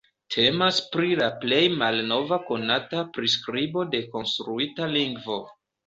Temas pri la plej malnova konata priskribo de konstruita lingvo.